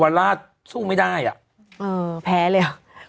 เยาวราษสู้ไม่ได้อ่ะอืมแพ้เลยเหรอ